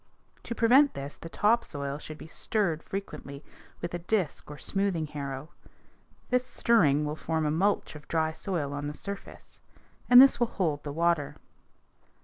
To prevent this the top soil should be stirred frequently with a disk or smoothing harrow. This stirring will form a mulch of dry soil on the surface, and this will hold the water.